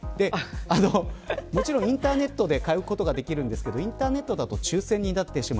もちろん、インターネットで買うことができるんですけどインターネットだと抽選になってしまう。